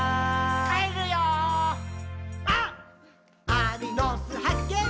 アリの巣はっけん